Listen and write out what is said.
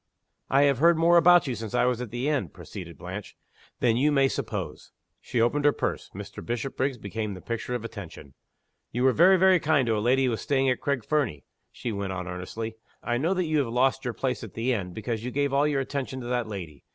"I have heard more about you, since I was at the inn," proceeded Blanche, "than you may suppose." (She opened her purse: Mr. Bishopriggs became the picture of attention.) "You were very, very kind to a lady who was staying at Craig Fernie," she went on, earnestly. "I know that you have lost your place at the inn, because you gave all your attention to that lady.